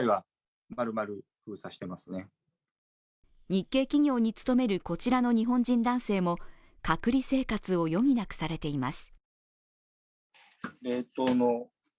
日系企業に勤めるこちらの日本人男性も隔離生活を余儀なくされています。